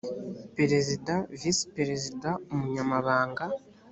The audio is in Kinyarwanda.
perezida visi perezida umunyamabanga